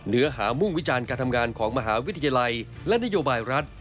เนื้อหามุ่งวิจารณ์การทำงานของมหาวิทยาลัยและนโยบายรัฐ